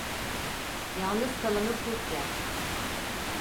Yalnız kalanı kurt yer.